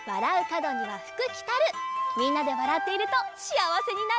みんなでわらっているとしあわせになれるんだ！